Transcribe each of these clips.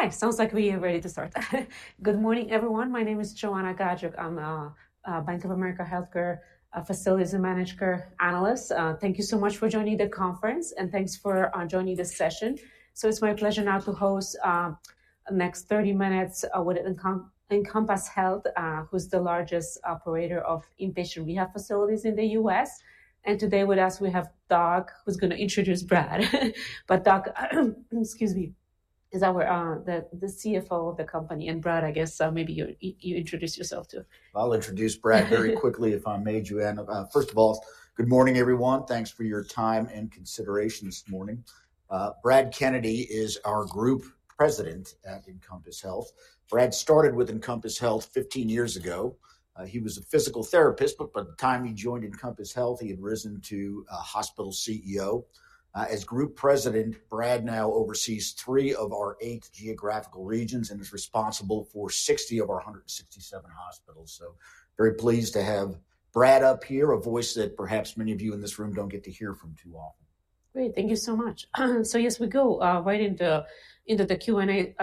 Hi, sounds like we are ready to start. Good morning, everyone. My name is Joanna Gajuk. I'm a Bank of America Healthcare Facilities and Management Analyst. Thank you so much for joining the conference, and thanks for joining this session. It's my pleasure now to host the next 30 minutes with Encompass Health, who's the largest operator of inpatient rehab facilities in the U.S.. Today with us, we have Doug, who's going to introduce Brad. Doug, excuse me, is the CFO of the company. Brad, I guess maybe you introduce yourself too. I'll introduce Brad very quickly if I may, Joanna. First of all, good morning, everyone. Thanks for your time and consideration this morning. Brad Kennedy is our Group President at Encompass Health. Brad started with Encompass Health 15 years ago. He was a physical therapist, but by the time he joined Encompass Health, he had risen to hospital CEO. As Group President, Brad now oversees three of our eight geographical regions and is responsible for 60 of our 167 hospitals. So very pleased to have Brad up here, a voice that perhaps many of you in this room don't get to hear from too often. Great. Thank you so much. Yes, we go right into the Q&A.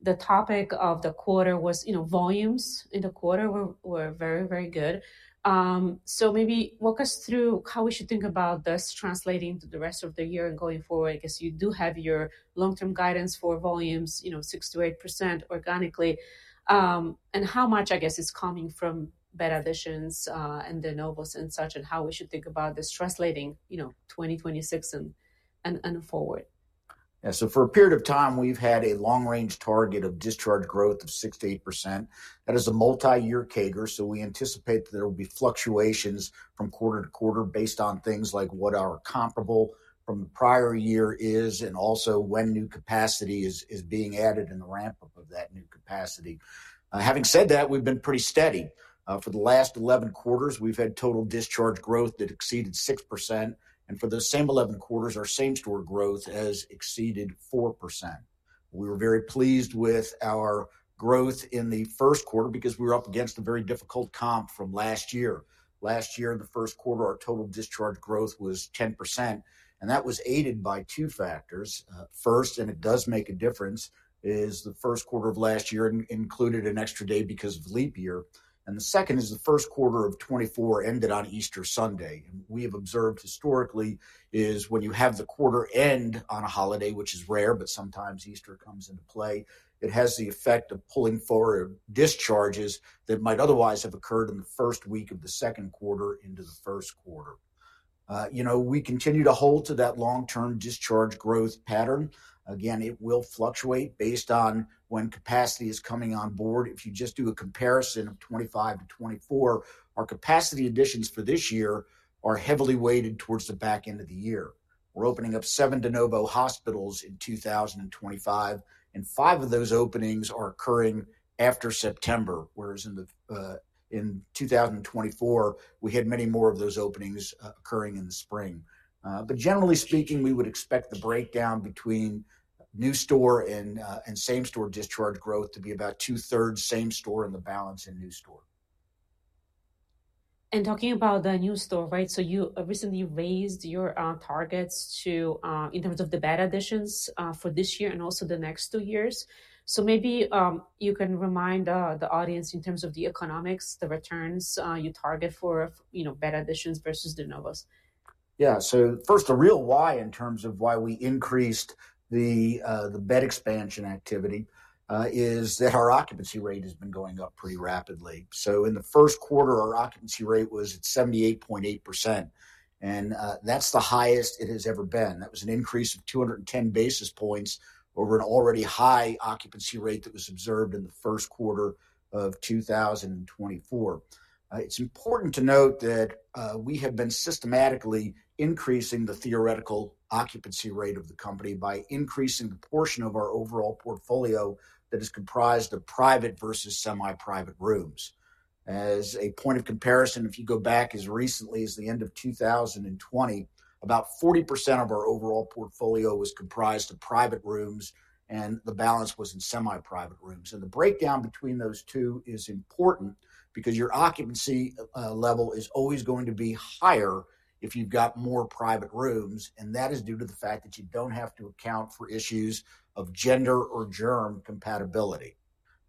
The topic of the quarter was volumes in the quarter were very, very good. Maybe walk us through how we should think about this translating to the rest of the year and going forward. I guess you do have your long-term guidance for volumes, 6%-8% organically. How much, I guess, is coming from bed additions and de novos and such, and how we should think about this translating 2026 and forward. Yeah, so for a period of time, we've had a long-range target of discharge growth of 6%-8%. That is a multi-year CAGR. We anticipate that there will be fluctuations from quarter to quarter based on things like what our comparable from the prior year is, and also when new capacity is being added and the ramp up of that new capacity. Having said that, we've been pretty steady. For the last 11 quarters, we've had total discharge growth that exceeded 6%. For those same 11 quarters, our same store growth has exceeded 4%. We were very pleased with our growth in the first quarter because we were up against a very difficult comp from last year. Last year, in the first quarter, our total discharge growth was 10%. That was aided by two factors. First, and it does make a difference, is the first quarter of last year included an extra day because of leap year. The second is the first quarter of 2024 ended on Easter Sunday. What we have observed historically is when you have the quarter end on a holiday, which is rare, but sometimes Easter comes into play, it has the effect of pulling forward discharges that might otherwise have occurred in the first week of the second quarter into the first quarter. You know, we continue to hold to that long-term discharge growth pattern. Again, it will fluctuate based on when capacity is coming on board. If you just do a comparison of 2025 to 2024, our capacity additions for this year are heavily weighted towards the back end of the year. We're opening up seven de novo hospitals in 2025, and five of those openings are occurring after September, whereas in 2024, we had many more of those openings occurring in the spring. Generally speaking, we would expect the breakdown between new store and same store discharge growth to be about two-thirds same store and the balance in new store. Talking about the new store, right, you recently raised your targets in terms of the bed additions for this year and also the next two years. Maybe you can remind the audience in terms of the economics, the returns you target for bed additions versus de novos. Yeah, so first, a real why in terms of why we increased the bed expansion activity is that our occupancy rate has been going up pretty rapidly. In the first quarter, our occupancy rate was at 78.8%. That is the highest it has ever been. That was an increase of 210 basis points over an already high occupancy rate that was observed in the first quarter of 2024. It is important to note that we have been systematically increasing the theoretical occupancy rate of the company by increasing the portion of our overall portfolio that is comprised of private versus semi-private rooms. As a point of comparison, if you go back as recently as the end of 2020, about 40% of our overall portfolio was comprised of private rooms, and the balance was in semi-private rooms. The breakdown between those two is important because your occupancy level is always going to be higher if you've got more private rooms, and that is due to the fact that you do not have to account for issues of gender or germ compatibility.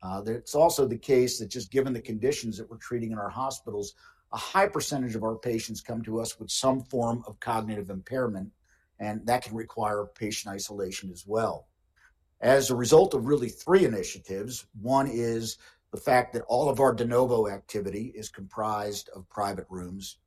It is also the case that just given the conditions that we are treating in our hospitals, a high percentage of our patients come to us with some form of cognitive impairment, and that can require patient isolation as well. As a result of really three initiatives, one is the fact that all of our de novo activity is comprised of private rooms.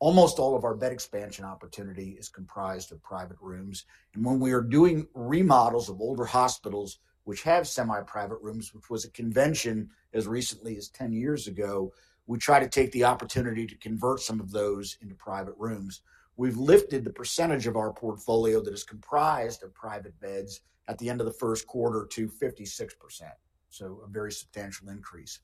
Almost all of our bed expansion opportunity is comprised of private rooms. When we are doing remodels of older hospitals, which have semi-private rooms, which was a convention as recently as 10 years ago, we try to take the opportunity to convert some of those into private rooms. We have lifted the percentage of our portfolio that is comprised of private beds at the end of the first quarter to 56%. A very substantial increase.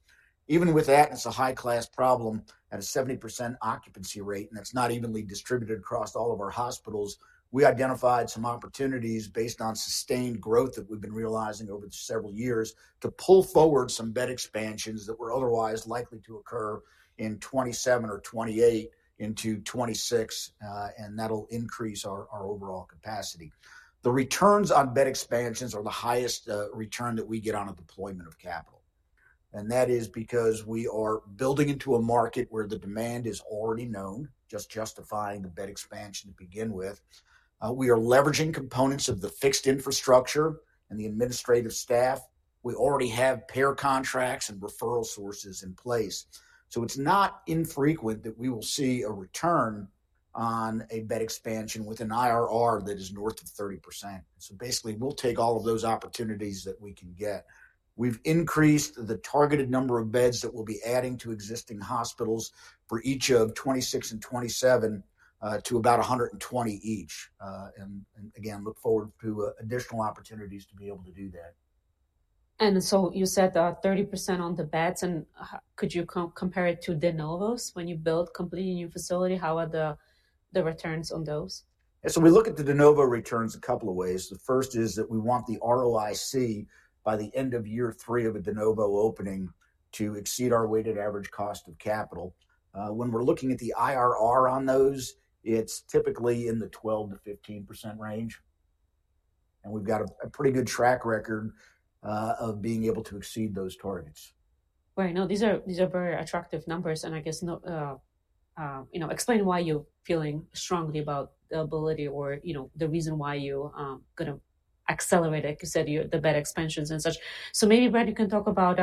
Even with that, it is a high-class problem at a 70% occupancy rate, and that is not evenly distributed across all of our hospitals. We identified some opportunities based on sustained growth that we have been realizing over several years to pull forward some bed expansions that were otherwise likely to occur in 2027 or 2028 into 2026, and that will increase our overall capacity. The returns on bed expansions are the highest return that we get on a deployment of capital. That is because we are building into a market where the demand is already known, just justifying the bed expansion to begin with. We are leveraging components of the fixed infrastructure and the administrative staff. We already have payer contracts and referral sources in place. It is not infrequent that we will see a return on a bed expansion with an IRR that is north of 30%. Basically, we will take all of those opportunities that we can get. We have increased the targeted number of beds that we will be adding to existing hospitals for each of 2026 and 2027 to about 120 each. Again, look forward to additional opportunities to be able to do that. You said 30% on the beds, and could you compare it to de novos when you build completely new facility? How are the returns on those? We look at the de NOVO returns a couple of ways. The first is that we want the ROIC by the end of year three of a de NOVO opening to exceed our weighted average cost of capital. When we're looking at the IRR on those, it's typically in the 12%-15% range. We've got a pretty good track record of being able to exceed those targets. Right. No, these are very attractive numbers. I guess explain why you're feeling strongly about the ability or the reason why you're going to accelerate, like you said, the bed expansions and such. Maybe, Brad, you can talk about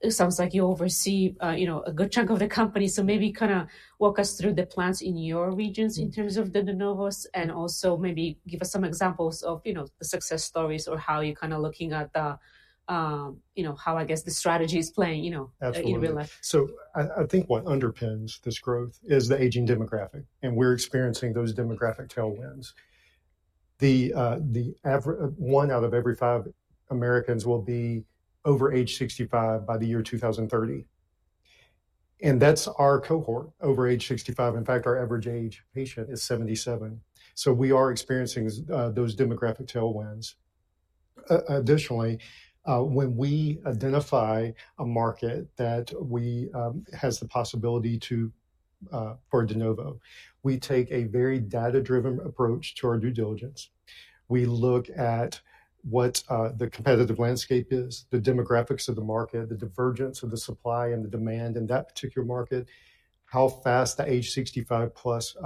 it sounds like you oversee a good chunk of the company. Maybe kind of walk us through the plans in your regions in terms of the de novos and also maybe give us some examples of the success stories or how you're kind of looking at how, I guess, the strategy is playing in real life. Absolutely. I think what underpins this growth is the aging demographic. We are experiencing those demographic tailwinds. One out of every five Americans will be over age 65 by the year 2030. That is our cohort over age 65. In fact, our average age patient is 77. We are experiencing those demographic tailwinds. Additionally, when we identify a market that has the possibility for de NOVO, we take a very data-driven approach to our due diligence. We look at what the competitive landscape is, the demographics of the market, the divergence of the supply and the demand in that particular market, how fast the age 65-plus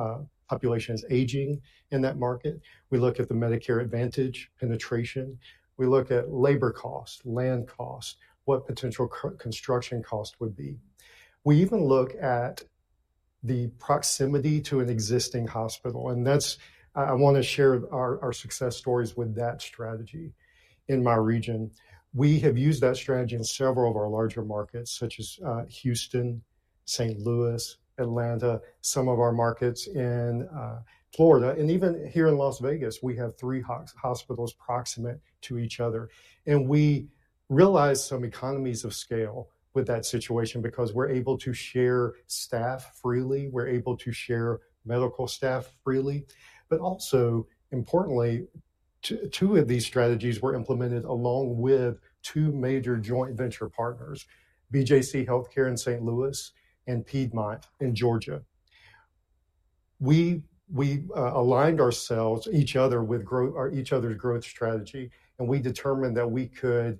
population is aging in that market. We look at the Medicare Advantage penetration. We look at labor costs, land costs, what potential construction costs would be. We even look at the proximity to an existing hospital. I want to share our success stories with that strategy in my region. We have used that strategy in several of our larger markets, such as Houston, St. Louis, Atlanta, some of our markets in Florida. Even here in Las Vegas, we have three hospitals proximate to each other. We realize some economies of scale with that situation because we're able to share staff freely. We're able to share medical staff freely. Also, importantly, two of these strategies were implemented along with two major joint venture partners, BJC Healthcare in St. Louis and Piedmont in Georgia. We aligned ourselves with each other's growth strategy, and we determined that we could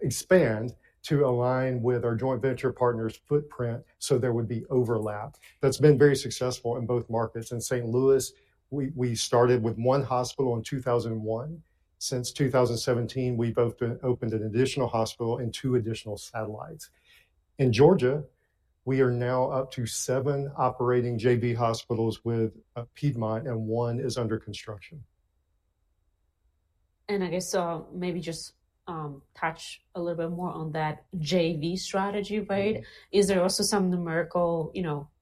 expand to align with our joint venture partners' footprint so there would be overlap. That has been very successful in both markets. In St. Louis, we started with one hospital in 2001. Since 2017, we've both opened an additional hospital and two additional satellites. In Georgia, we are now up to seven operating JV hospitals with Piedmont, and one is under construction. I guess maybe just touch a little bit more on that JV strategy, right? Is there also some numerical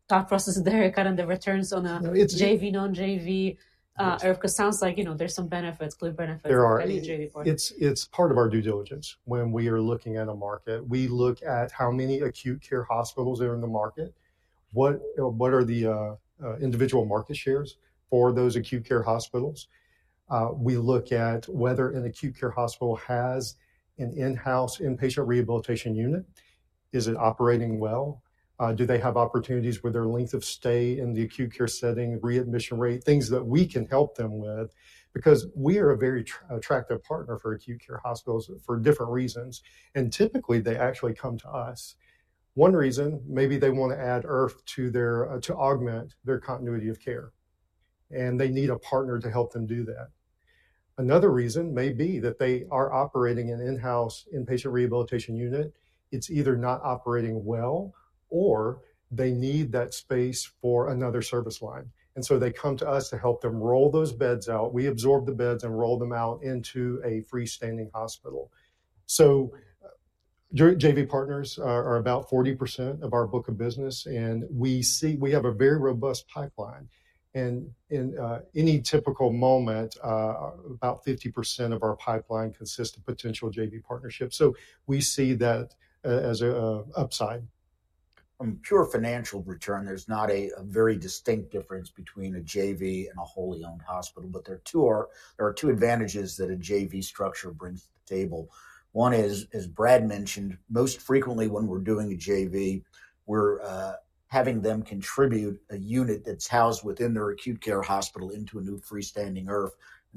thought process there, kind of the returns on a JV, non-JV? Because it sounds like there's some benefits, clear benefits for any JV partner. It's part of our due diligence. When we are looking at a market, we look at how many acute care hospitals are in the market, what are the individual market shares for those acute care hospitals. We look at whether an acute care hospital has an in-house inpatient rehabilitation unit. Is it operating well? Do they have opportunities with their length of stay in the acute care setting, readmission rate, things that we can help them with? We are a very attractive partner for acute care hospitals for different reasons. Typically, they actually come to us. One reason, maybe they want to add IRF to augment their continuity of care. They need a partner to help them do that. Another reason may be that they are operating an in-house inpatient rehabilitation unit. It's either not operating well, or they need that space for another service line. They come to us to help them roll those beds out. We absorb the beds and roll them out into a freestanding hospital. JV partners are about 40% of our book of business, and we have a very robust pipeline. In any typical moment, about 50% of our pipeline consists of potential JV partnerships. We see that as an upside. From pure financial return, there's not a very distinct difference between a JV and a wholly owned hospital, but there are two advantages that a JV structure brings to the table. One is, as Brad mentioned, most frequently when we're doing a JV, we're having them contribute a unit that's housed within their acute care hospital into a new freestanding IRF.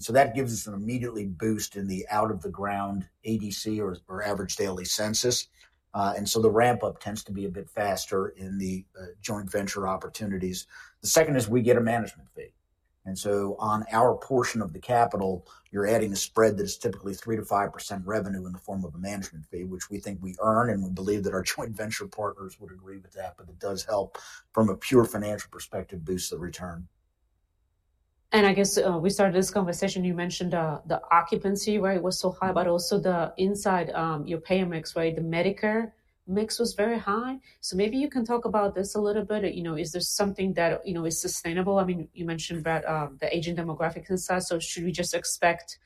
That gives us an immediate boost in the out-of-the-ground ADC or average daily census. The ramp-up tends to be a bit faster in the joint venture opportunities. The second is we get a management fee. On our portion of the capital, you're adding a spread that is typically 3%-5% revenue in the form of a management fee, which we think we earn, and we believe that our joint venture partners would agree with that, but it does help from a pure financial perspective boost the return. I guess we started this conversation, you mentioned the occupancy, right? It was so high, but also inside your payer mix, right? The Medicare mix was very high. Maybe you can talk about this a little bit. Is there something that is sustainable? I mean, you mentioned that the aging demographic inside. Should we just expect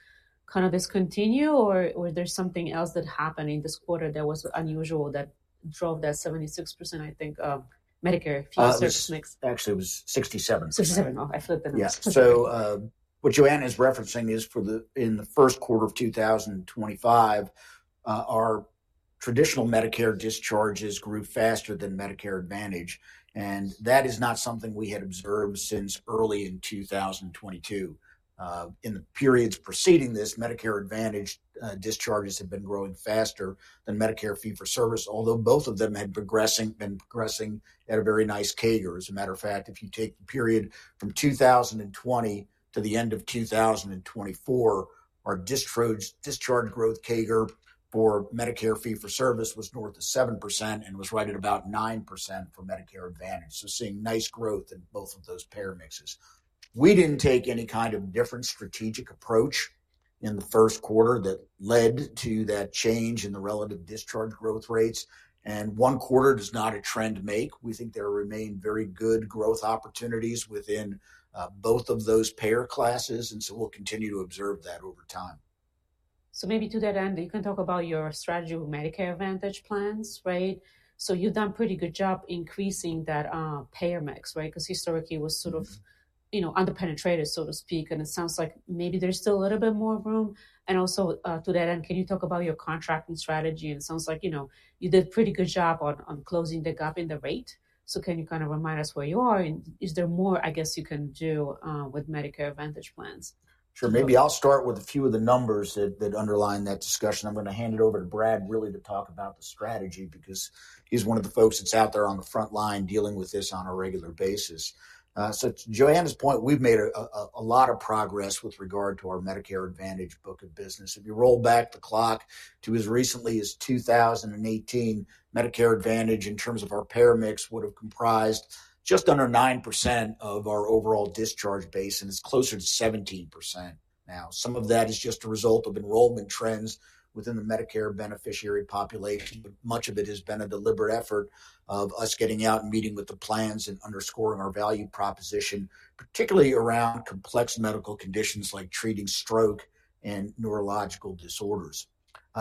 kind of this to continue, or was there something else that happened in this quarter that was unusual that drove that 76% Medicare fee mix? Actually, it was 67%. 67%. Oh, I flipped it. Yeah. So what Joanna is referencing is in the first quarter of 2025, our traditional Medicare discharges grew faster than Medicare Advantage. That is not something we had observed since early in 2022. In the periods preceding this, Medicare Advantage discharges had been growing faster than Medicare fee for service, although both of them had been progressing at a very nice CAGR. As a matter of fact, if you take the period from 2020 to the end of 2024, our discharge growth CAGR for Medicare fee for service was north of 7% and was right at about 9% for Medicare Advantage. Seeing nice growth in both of those payer mixes. We did not take any kind of different strategic approach in the first quarter that led to that change in the relative discharge growth rates. One quarter does not a trend make. We think there remain very good growth opportunities within both of those payer classes. We'll continue to observe that over time. Maybe to that end, you can talk about your strategy with Medicare Advantage plans, right? You have done a pretty good job increasing that payer mix, right? Because historically, it was sort of underpenetrated, so to speak. It sounds like maybe there is still a little bit more room. Also to that end, can you talk about your contracting strategy? It sounds like you did a pretty good job on closing the gap in the rate. Can you kind of remind us where you are? Is there more, I guess, you can do with Medicare Advantage plans? Sure. Maybe I'll start with a few of the numbers that underline that discussion. I'm going to hand it over to Brad, really, to talk about the strategy because he's one of the folks that's out there on the front line dealing with this on a regular basis. To Joanna's point, we've made a lot of progress with regard to our Medicare Advantage book of business. If you roll back the clock to as recently as 2018, Medicare Advantage in terms of our payer mix would have comprised just under 9% of our overall discharge base, and it's closer to 17% now. Some of that is just a result of enrollment trends within the Medicare beneficiary population, but much of it has been a deliberate effort of us getting out and meeting with the plans and underscoring our value proposition, particularly around complex medical conditions like treating stroke and neurological disorders.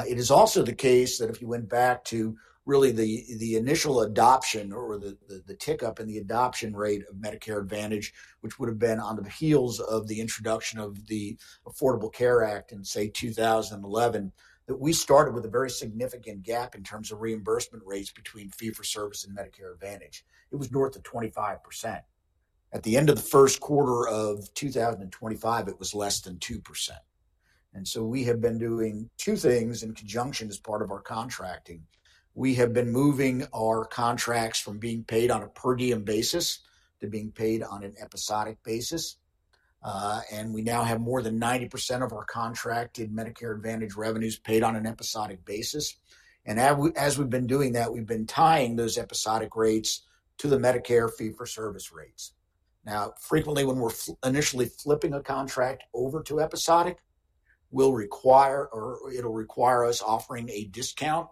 It is also the case that if you went back to really the initial adoption or the tick up in the adoption rate of Medicare Advantage, which would have been on the heels of the introduction of the Affordable Care Act in, say, 2011, that we started with a very significant gap in terms of reimbursement rates between fee for service and Medicare Advantage. It was north of 25%. At the end of the first quarter of 2025, it was less than 2%. And so we have been doing two things in conjunction as part of our contracting. We have been moving ou r contracts from being paid on a per diem basis to being paid on an episodic basis. We now have more than 90% of our contracted Medicare Advantage revenues paid on an episodic basis. As we've been doing that, we've been tying those episodic rates to the Medicare fee for service rates. Frequently, when we're initially flipping a contract over to episodic, it will require us offering a discount.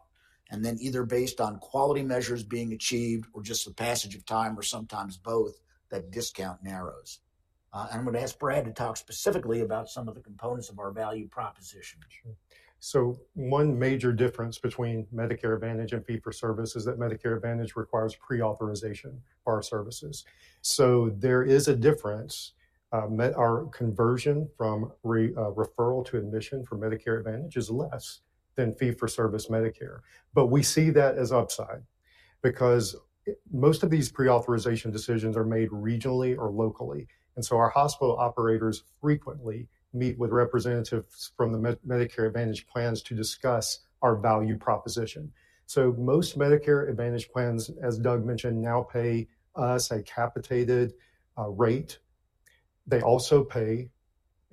Then either based on quality measures being achieved or just the passage of time or sometimes both, that discount narrows. I'm going to ask Brad to talk specifically about some of the components of our value proposition. Sure. One major difference between Medicare Advantage and fee for service is that Medicare Advantage requires pre-authorization for our services. There is a difference. Our conversion from referral to admission for Medicare Advantage is less than fee for service Medicare. We see that as upside because most of these pre-authorization decisions are made regionally or locally. Our hospital operators frequently meet with representatives from the Medicare Advantage plans to discuss our value proposition. Most Medicare Advantage plans, as Doug mentioned, now pay us a capitated rate. They also pay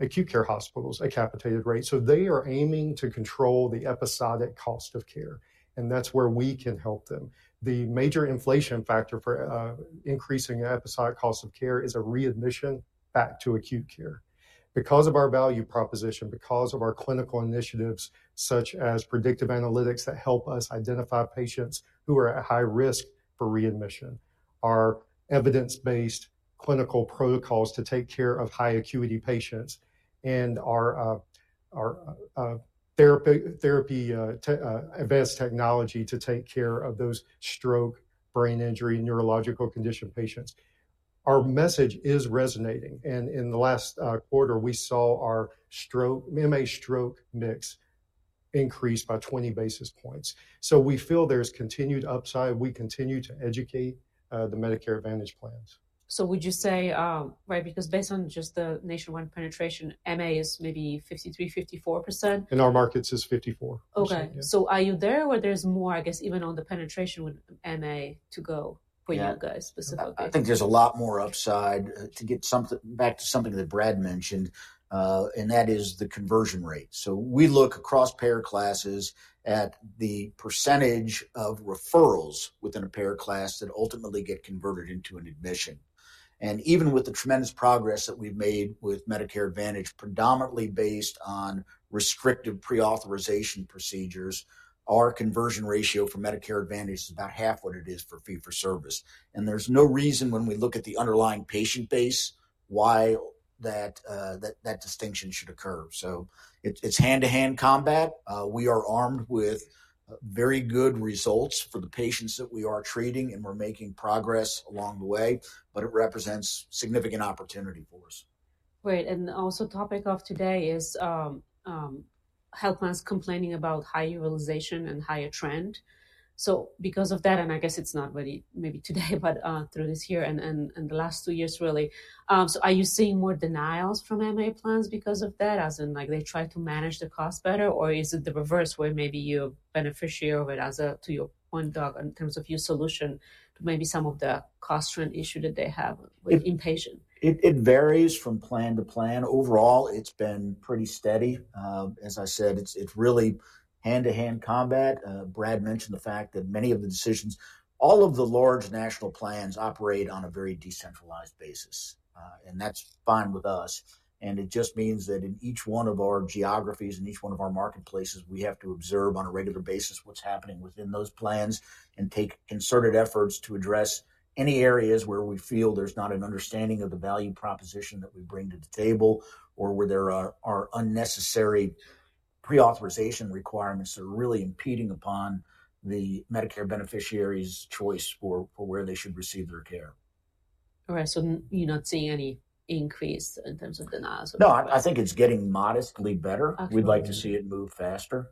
acute care hospitals a capitated rate. They are aiming to control the episodic cost of care. That is where we can help them. The major inflation factor for increasing the episodic cost of care is a readmission back to acute care. Because of our value proposition, because of our clinical initiatives such as predictive analytics that help us identify patients who are at high risk for readmission, our evidence-based clinical protocols to take care of high acuity patients, and our therapy advanced technology to take care of those stroke, brain injury, neurological condition patients. Our message is resonating. In the last quarter, we saw our MA stroke mix increase by 20 basis points. We feel there is continued upside. We continue to educate the Medicare Advantage plans. Would you say, right, because based on just the nationwide penetration, MA is maybe 53%, 54%? In our markets, it's 54%. Okay. So are you there or there's more, I guess, even on the penetration with MA to go for you guys specifically? I think there's a lot more upside to get back to something that Brad mentioned, and that is the conversion rate. We look across payer classes at the percentage of referrals within a payer class that ultimately get converted into an admission. Even with the tremendous progress that we've made with Medicare Advantage, predominantly based on restrictive pre-authorization procedures, our conversion ratio for Medicare Advantage is about half what it is for fee for service. There's no reason when we look at the underlying patient base why that distinction should occur. It's hand-to-hand combat. We are armed with very good results for the patients that we are treating, and we're making progress along the way, but it represents significant opportunity for us. Right. The topic of today is health plans complaining about high utilization and higher trend. Because of that, and I guess it is not really maybe today, but through this year and the last two years, really. Are you seeing more denials from MA plans because of that, as in they try to manage the cost better, or is it the reverse where maybe you are a beneficiary of it, as to your point, Doug, in terms of your solution to maybe some of the cost trend issue that they have with inpatient? It varies from plan to plan. Overall, it's been pretty steady. As I said, it's really hand-to-hand combat. Brad mentioned the fact that many of the decisions, all of the large national plans operate on a very decentralized basis. That is fine with us. It just means that in each one of our geographies and each one of our marketplaces, we have to observe on a regular basis what's happening within those plans and take concerted efforts to address any areas where we feel there's not an understanding of the value proposition that we bring to the table or where there are unnecessary pre-authorization requirements that are really impeding upon the Medicare beneficiary's choice for where they should receive their care. All right. So you're not seeing any increase in terms of denials? No, I think it's getting modestly better. We'd like to see it move faster.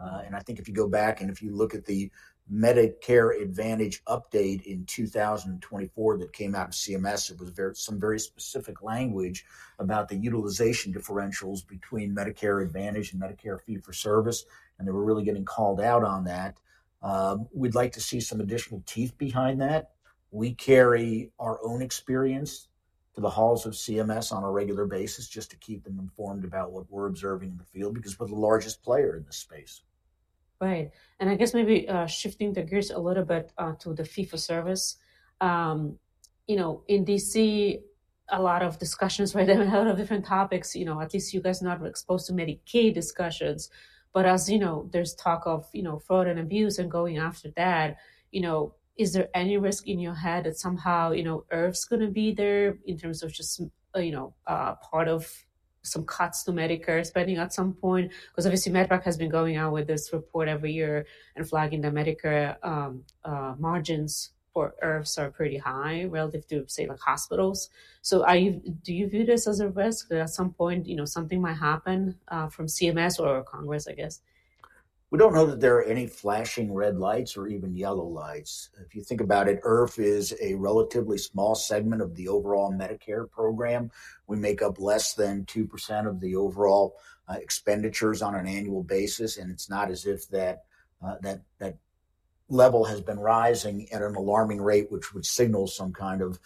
If you go back and if you look at the Medicare Advantage update in 2024 that came out of CMS, it was some very specific language about the utilization differentials between Medicare Advantage and Medicare fee for service. They were really getting called out on that. We'd like to see some additional teeth behind that. We carry our own experience to the halls of CMS on a regular basis just to keep them informed about what we're observing in the field because we're the largest player in this space. Right. I guess maybe shifting the gears a little bit to the fee-for-service. In D.C., a lot of discussions right now on a lot of different topics. At least you guys are not exposed to Medicaid discussions. As you know, there is talk of fraud and abuse and going after that. Is there any risk in your head that somehow IRFs are going to be there in terms of just part of some cuts to Medicare spending at some point? Obviously, MedPAC has been going out with this report every year and flagging that Medicare margins for IRFs are pretty high relative to, say, hospitals. Do you view this as a risk that at some point something might happen from CMS or Congress, I guess? We do not know that there are any flashing red lights or even yellow lights. If you think about it, IRF is a relatively small segment of the overall Medicare program. We make up less than 2% of the overall expenditures on an annual basis. It is not as if that level has been rising at an alarming rate, which would signal some kind of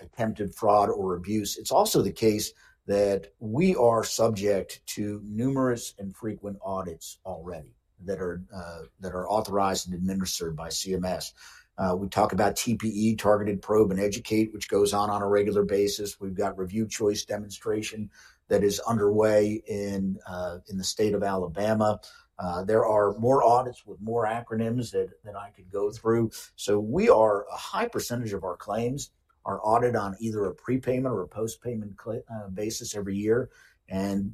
attempted fraud or abuse. It is also the case that we are subject to numerous and frequent audits already that are authorized and administered by CMS. We talk about TPE, Targeted Probe and Educate, which goes on on a regular basis. We have got review choice demonstration that is underway in the state of Alabama. There are more audits with more acronyms than I could go through. We are a high percentage of our claims are audited on either a prepayment or a postpayment basis every year.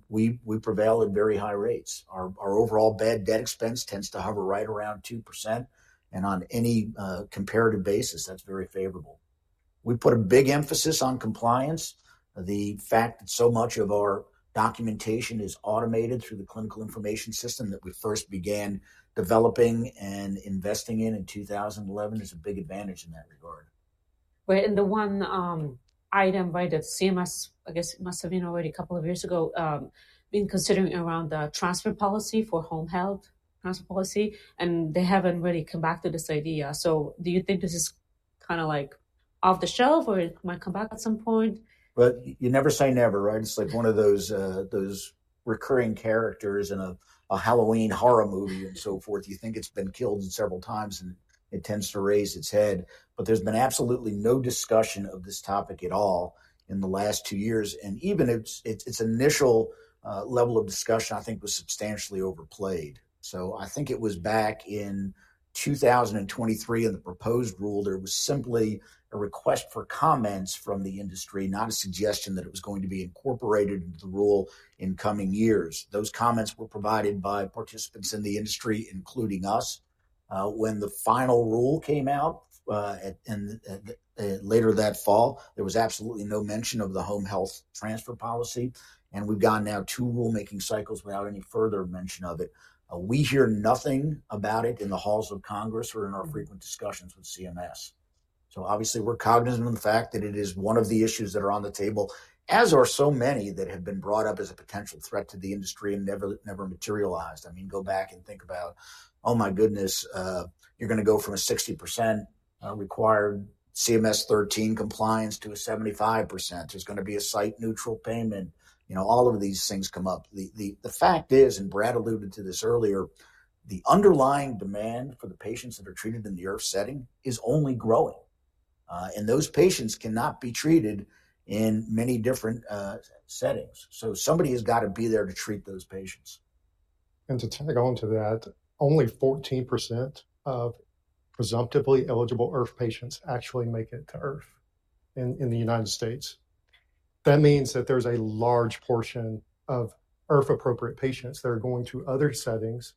We prevail at very high rates. Our overall bad debt expense tends to hover right around 2%. On any comparative basis, that's very favorable. We put a big emphasis on compliance. The fact that so much of our documentation is automated through the clinical information system that we first began developing and investing in in 2011 is a big advantage in that regard. Right. The one item that CMS, I guess, must have been already a couple of years ago, been considering around the transfer policy for home health transfer policy. They have not really come back to this idea. Do you think this is kind of like off the shelf or it might come back at some point? You never say never, right? It's like one of those recurring characters in a Halloween horror movie and so forth. You think it's been killed several times, and it tends to raise its head. There has been absolutely no discussion of this topic at all in the last two years. Even its initial level of discussion, I think, was substantially overplayed. I think it was back in 2023 in the proposed rule, there was simply a request for comments from the industry, not a suggestion that it was going to be incorporated into the rule in coming years. Those comments were provided by participants in the industry, including us. When the final rule came out later that fall, there was absolutely no mention of the home health transfer policy. We have gone now two rulemaking cycles without any further mention of it. We hear nothing about it in the halls of Congress or in our frequent discussions with CMS. Obviously, we're cognizant of the fact that it is one of the issues that are on the table, as are so many that have been brought up as a potential threat to the industry and never materialized. I mean, go back and think about, "Oh my goodness, you're going to go from a 60% required CMS 13 compliance to a 75%. There's going to be a site-neutral payment." All of these things come up. The fact is, and Brad alluded to this earlier, the underlying demand for the patients that are treated in the IRF setting is only growing. Those patients cannot be treated in many different settings. Somebody has got to be there to treat those patients. To tag on to that, only 14% of presumptively eligible IRF patients actually make it to IRF in the United States. That means that there is a large portion of IRF-appropriate patients that are going to other settings,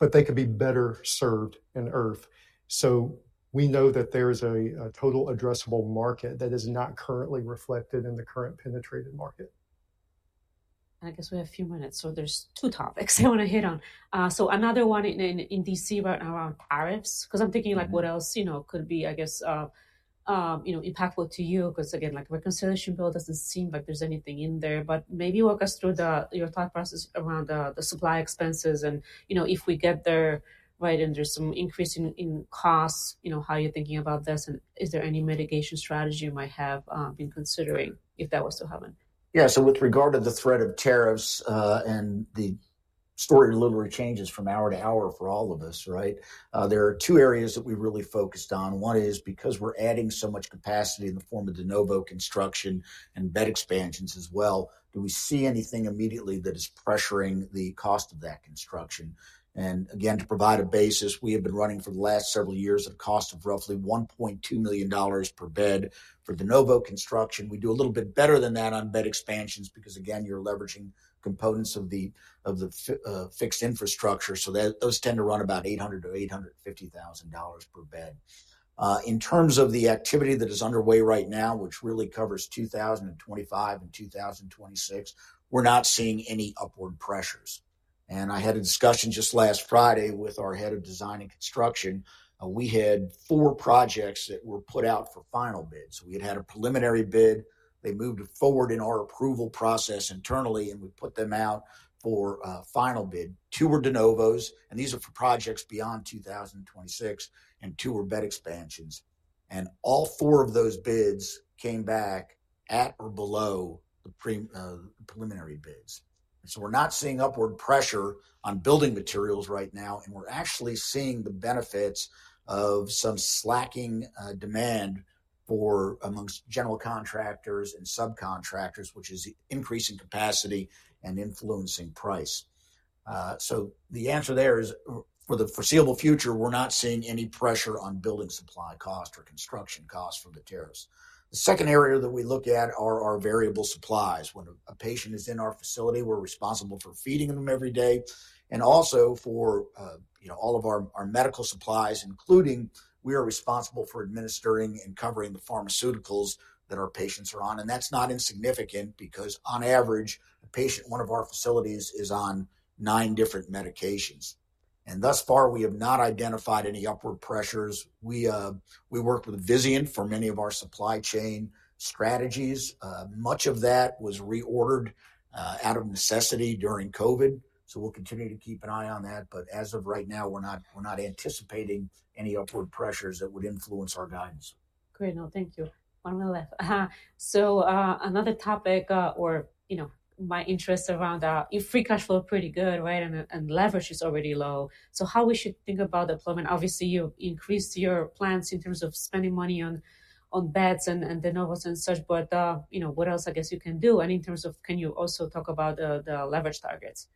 but they could be better served in IRF. We know that there is a total addressable market that is not currently reflected in the current penetrated market. I guess we have a few minutes. There are two topics I want to hit on. Another one in D.C. around tariffs, because I'm thinking what else could be, I guess, impactful to you, because again, reconciliation bill does not seem like there is anything in there. Maybe walk us through your thought process around the supply expenses. If we get there, right, and there is some increase in costs, how are you thinking about this? Is there any mitigation strategy you might have been considering if that was to happen? Yeah. With regard to the threat of tariffs and the story literally changes from hour to hour for all of us, right? There are two areas that we've really focused on. One is because we're adding so much capacity in the form of de novo construction and bed expansions as well, do we see anything immediately that is pressuring the cost of that construction? Again, to provide a basis, we have been running for the last several years at a cost of roughly $1.2 million per bed for de novo construction. We do a little bit better than that on bed expansions because, again, you're leveraging components of the fixed infrastructure. Those tend to run about $800,000-$850,000 per bed. In terms of the activity that is underway right now, which really covers 2025 and 2026, we're not seeing any upward pressures. I had a discussion just last Friday with our head of design and construction. We had four projects that were put out for final bids. We had had a preliminary bid. They moved forward in our approval process internally, and we put them out for final bid. Two were de novos, and these are for projects beyond 2026, and two were bed expansions. All four of those bids came back at or below the preliminary bids. We are not seeing upward pressure on building materials right now. We are actually seeing the benefits of some slacking demand amongst general contractors and subcontractors, which is increasing capacity and influencing price. The answer there is for the foreseeable future, we are not seeing any pressure on building supply costs or construction costs from the tariffs. The second area that we look at are our variable supplies. When a patient is in our facility, we're responsible for feeding them every day and also for all of our medical supplies, including we are responsible for administering and covering the pharmaceuticals that our patients are on. That is not insignificant because on average, a patient in one of our facilities is on nine different medications. Thus far, we have not identified any upward pressures. We worked with Vizion for many of our supply chain strategies. Much of that was reordered out of necessity during COVID. We will continue to keep an eye on that. As of right now, we're not anticipating any upward pressures that would influence our guidance. Great. No, thank you. One more left. Another topic or my interest around if free cash flow is pretty good, right, and leverage is already low. How we should think about deployment. Obviously, you've increased your plans in terms of spending money on beds and de novos and such, but what else, I guess, you can do? In terms of can you also talk about the leverage targets?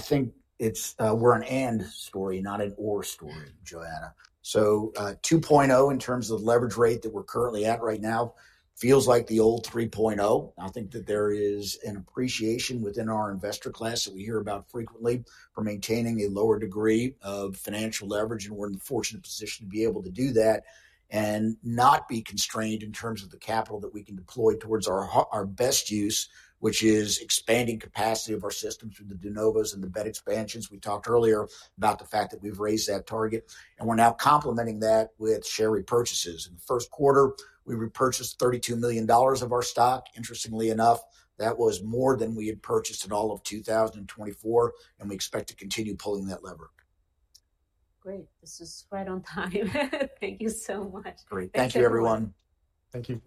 think it is we are an and story, not an or story, Joanna. 2.0 in terms of the leverage rate that we are currently at right now feels like the old 3.0. I think that there is an appreciation within our investor class that we hear about frequently for maintaining a lower degree of financial leverage. We are in a fortunate position to be able to do that and not be constrained in terms of the capital that we can deploy towards our best use, which is expanding capacity of our systems with the de novos and the bed expansions. We talked earlier about the fact that we have raised that target. We are now complementing that with share repurchases. In the first quarter, we repurchased $32 million of our stock. Interestingly enough, that was more than we had purchased in all of 2024. We expect to continue pulling that lever. Great. This is right on time. Thank you so much. Great. Thank you, everyone. Thank you.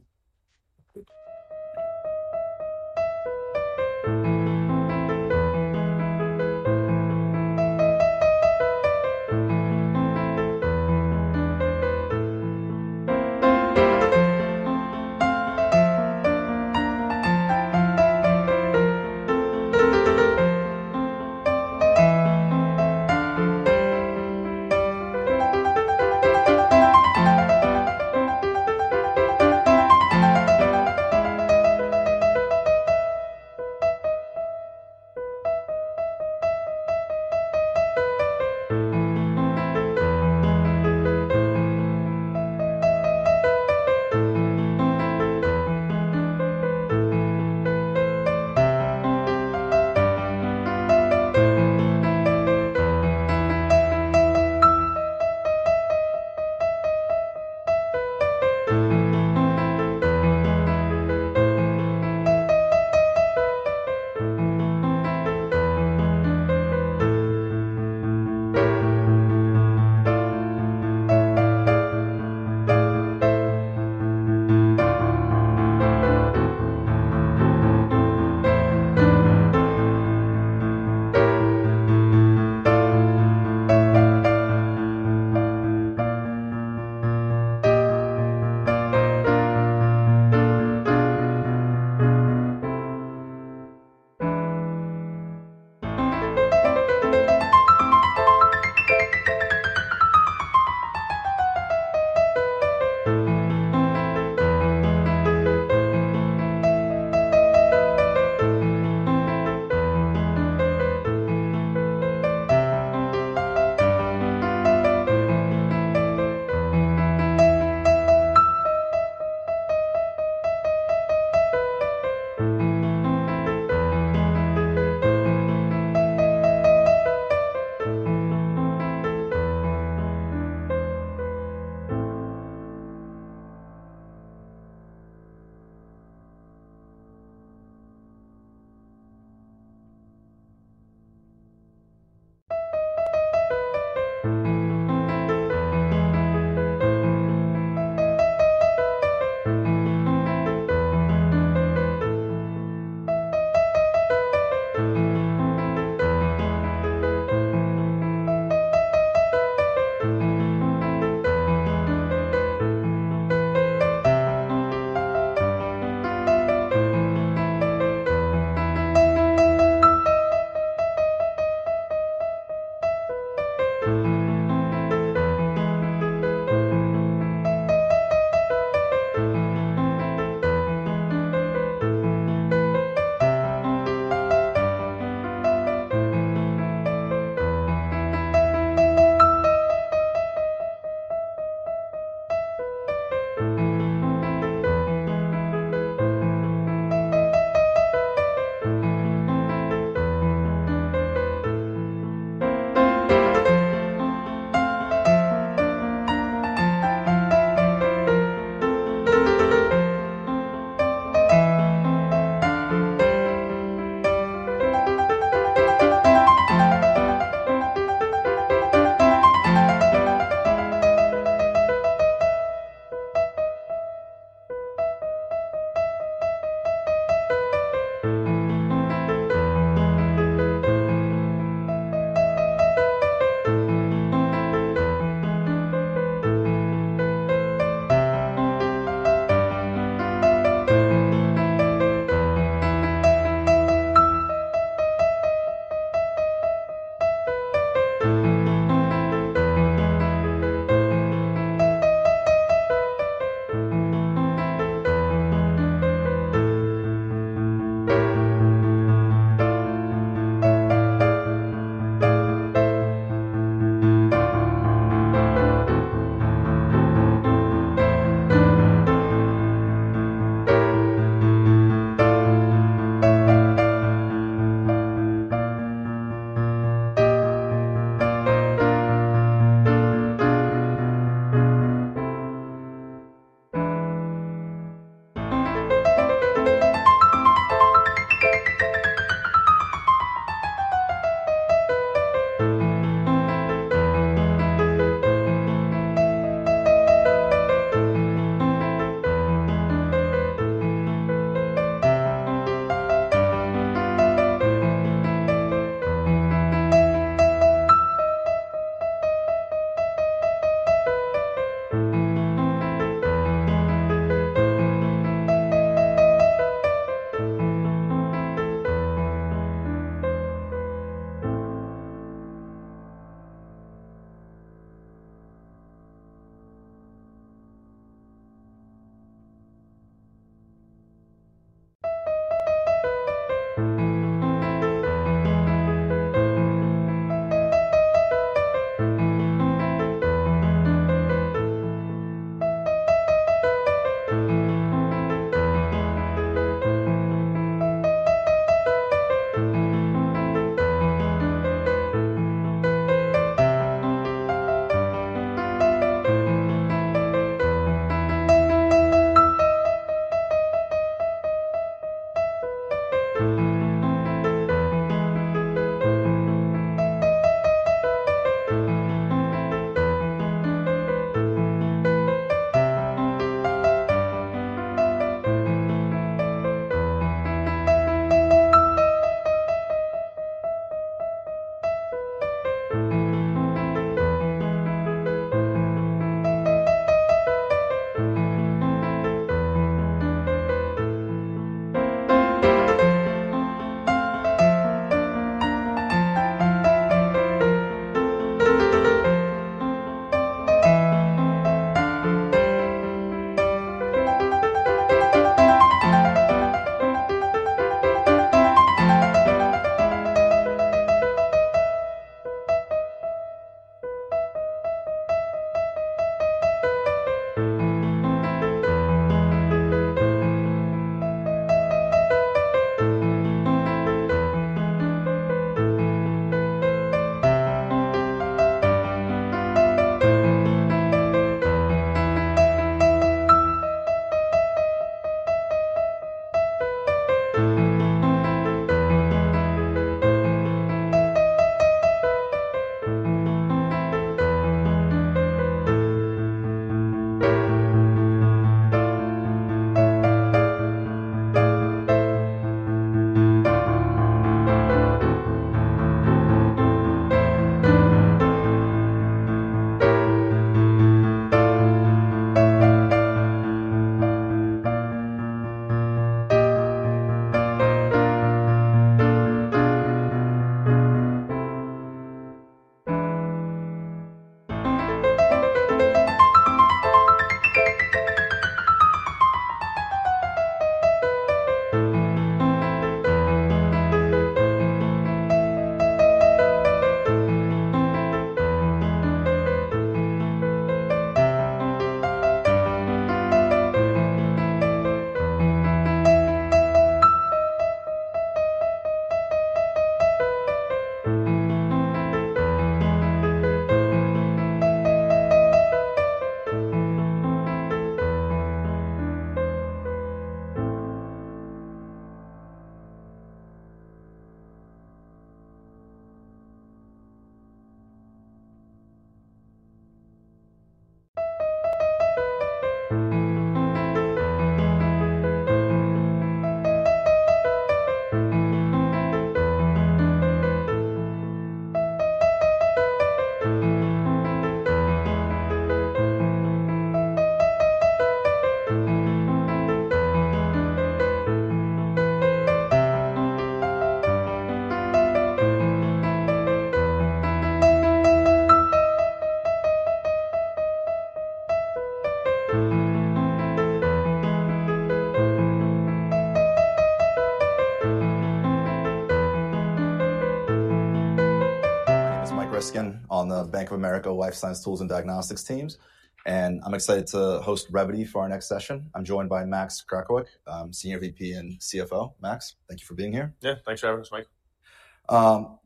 This is Mike Riskin on the Bank of America Life Science Tools and Diagnostics teams. I'm excited to host Revelie for our next session. I'm joined by Max Karkovic, Senior VP and CFO. Max, thank you for being here. Yeah, thanks for having us, Mike.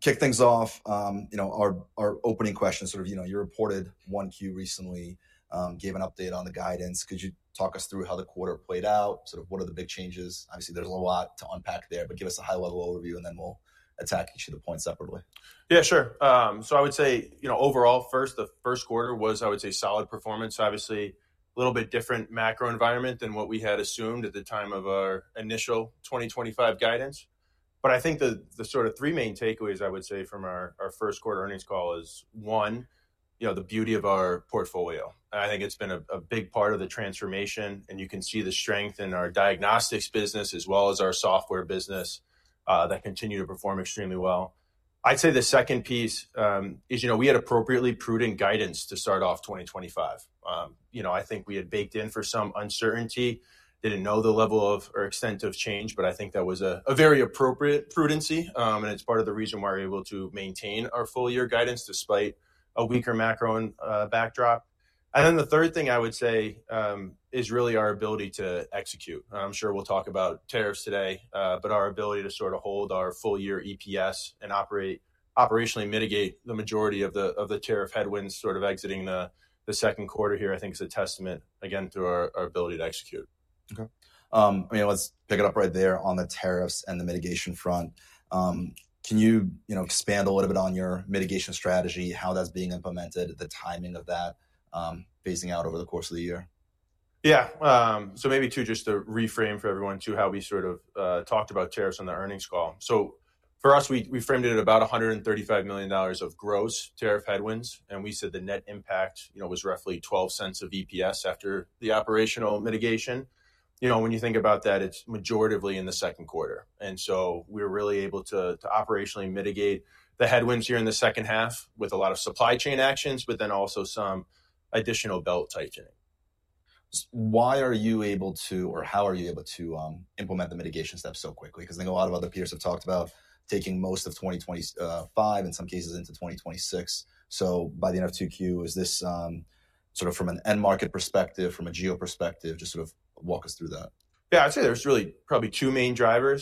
Kick things off, our opening question, sort of you reported one Q recently, gave an update on the guidance. Could you talk us through how the quarter played out? Sort of what are the big changes? Obviously, there's a lot to unpack there, but give us a high-level overview, and then we'll attack each of the points separately. Yeah, sure. I would say overall, first, the first quarter was, I would say, solid performance. Obviously, a little bit different macro environment than what we had assumed at the time of our initial 2025 guidance. I think the sort of three main takeaways, I would say, from our first quarter earnings call is, one, the beauty of our portfolio. I think it has been a big part of the transformation. You can see the strength in our diagnostics business as well as our software business that continue to perform extremely well. I would say the second piece is we had appropriately prudent guidance to start off 2025. I think we had baked in for some uncertainty. Did not know the level of or extent of change, but I think that was a very appropriate prudency. It is part of the reason why we are able to maintain our full-year guidance despite a weaker macro backdrop. The third thing I would say is really our ability to execute. I am sure we will talk about tariffs today, but our ability to sort of hold our full-year EPS and operationally mitigate the majority of the tariff headwinds sort of exiting the second quarter here, I think, is a testament, again, to our ability to execute. Okay. Let's pick it up right there on the tariffs and the mitigation front. Can you expand a little bit on your mitigation strategy, how that's being implemented, the timing of that, phasing out over the course of the year? Yeah. Maybe to just to reframe for everyone to how we sort of talked about tariffs on the earnings call. For us, we framed it at about $135 million of gross tariff headwinds. We said the net impact was roughly $0.12 of EPS after the operational mitigation. When you think about that, it's majority in the second quarter. We were really able to operationally mitigate the headwinds here in the second half with a lot of supply chain actions, but then also some additional belt tightening. Why are you able to, or how are you able to implement the mitigation steps so quickly? Because I think a lot of other peers have talked about taking most of 2025, in some cases, into 2026. By the end of Q2, is this sort of from an end market perspective, from a geo perspective, just sort of walk us through that? Yeah, I'd say there's really probably two main drivers.